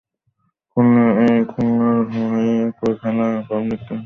খুলনার হয়ে খেলা পাবনার ক্রিকেট-পাগল সাইফুর রহমান চার বছর বয়সে পোলিওতে আক্রান্ত হন।